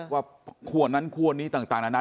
ว่าครัวนั้นครัวนี้ต่างนานา